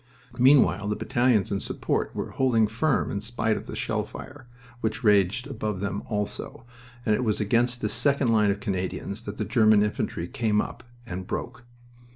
Meanwhile the battalions in support were holding firm in spite of the shell fire, which raged above them also, and it was against this second line of Canadians that the German infantry came up and broke.